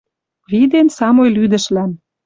Виден самой лӱдӹшлӓм.